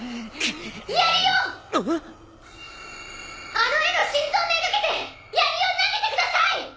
あの絵の心臓めがけてやりを投げてください！